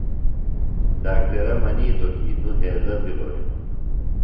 ڈاکٹرہ منِیتوۡ کی نوۡ ہیضہ بِھلو ہِنوۡ۔